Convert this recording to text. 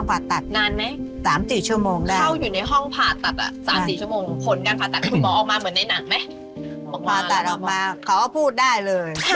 พอผ่าตัดออกมาเขาก็พูดได้เลย